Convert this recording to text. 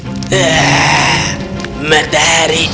kau tidak tahu apa yang terjadi